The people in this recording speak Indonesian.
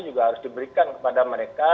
juga harus diberikan kepada mereka